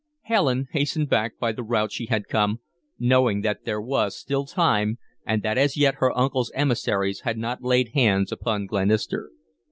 Helen hastened back by the route she had come, knowing that there was still time, and that as yet her uncle's emissaries had not laid hands upon Glenister.